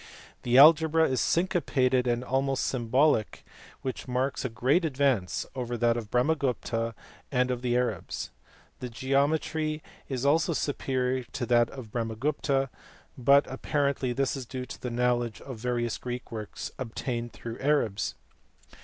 The algebra is syncopated and almost symbolic, which marks a great advance over that of Brahmagupta and of the Arabs. The geometry is also superior to that of Brahmagupta, but apparently this is due to the knowledge of various Greek works obtained through the Arabs.